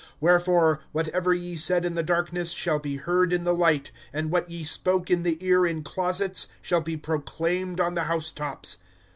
(3)Wherefore, whatever ye said in the darkness, shall be heard in the light; and what ye spoke in the ear in closets, shall be proclaimed on the house tops.